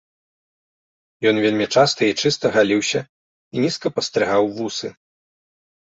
Ён вельмі часта і чыста галіўся і нізка падстрыгаў вусы.